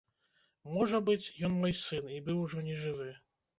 Можа быць, ён, мой сын, і быў ужо нежывы.